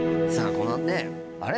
このねあれ？